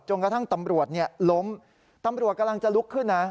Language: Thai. กระทั่งตำรวจล้มตำรวจกำลังจะลุกขึ้นนะ